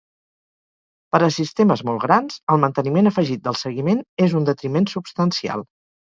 Per a sistemes molt grans, el manteniment afegit del seguiment és un detriment substancial.